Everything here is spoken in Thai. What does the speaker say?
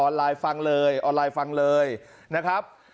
ฮ่าองไลน์ฟังเลยนะครับ